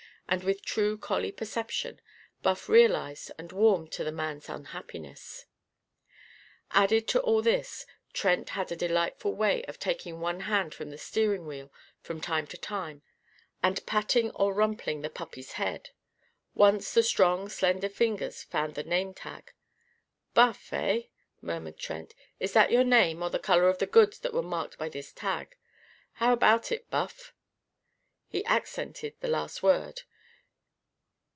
And, with true collie perception, Buff realised and warmed to the human's unhappiness. Added to all this, Trent had a delightful way of taking one hand from the steering wheel from time to time and patting or rumpling the puppy's head. Once the strong slender fingers found the name tag. "'Buff,' hey?" murmured Trent. "Is that your name or the colour of the goods that were marked by this tag? How about it, Buff?" He accented the last word.